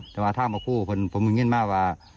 แต่ว่าถ้ามาพูดกับคนผู้เงินมาว่า